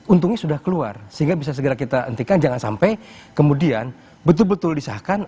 untungnya sudah keluar sehingga bisa segera kita hentikan jangan sampai kemudian betul betul disahkan